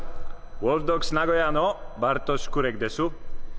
ウルフドッグス名古屋のバルトシュ・クレクです。